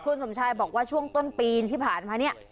คุณสมชายบอกว่าช่วงต้นปีที่ผ่านมาเนี่ย